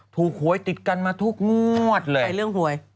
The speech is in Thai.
หวยติดกันมาทุกงวดเลยเรื่องหวย